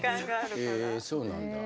へえそうなんだ。